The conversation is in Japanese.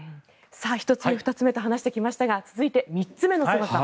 １つ目、２つ目と話してきましたが続いて３つ目のすごさ。